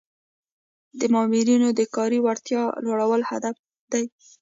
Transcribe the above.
د مامورینو د کاري وړتیاوو لوړول هدف دی.